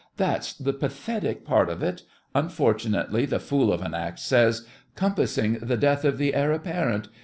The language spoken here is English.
That's the pathetic part of it. Unfortunately, the fool of an Act says "compassing the death of the Heir Apparent."